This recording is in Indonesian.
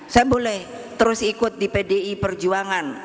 saya boleh terus ikut di pdi perjuangan